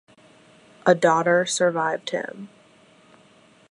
A daughter survived him.